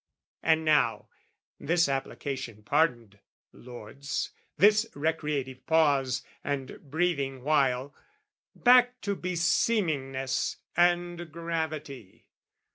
And now, this application pardoned, lords, This recreative pause and breathing while, Back to beseemingness and gravity!